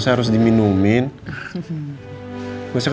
aku juga ke bawah permisi w blowing it's now